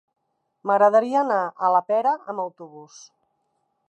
M'agradaria anar a la Pera amb autobús.